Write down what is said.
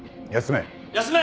休め。